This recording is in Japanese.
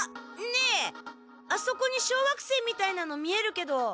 ねえあそこに小惑星みたいなの見えるけど。